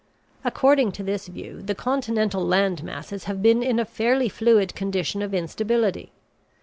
According to this view the continental land masses have been in a fairly fluid condition of instability.